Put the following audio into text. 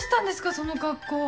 その格好。